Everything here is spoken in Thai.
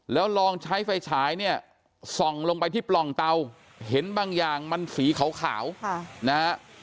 แล้วลองใช้ไฟฉายเนี่ยส่องลงไปที่ปล่องเตาเห็นบางอย่างมันสีขาวนะฮะ